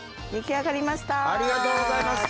ありがとうございます。